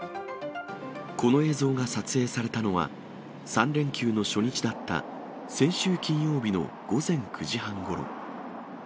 この映像が撮影されたのは、３連休の初日だった、先週金曜日の午前９時半ごろ。